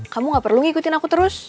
kamu gak perlu ngikutin aku terus